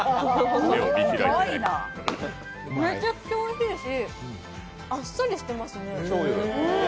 めちゃくちゃおいしいし、あっさりしてますね。